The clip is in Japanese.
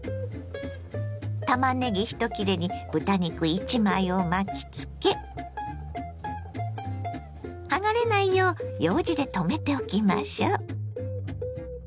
たまねぎ１切れに豚肉１枚を巻きつけ剥がれないようようじでとめておきましょ。